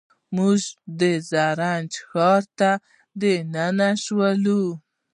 موږ د زرنج ښار ته دننه شولو.